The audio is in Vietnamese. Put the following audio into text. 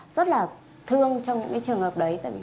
rất là thương trong những trường hợp đấy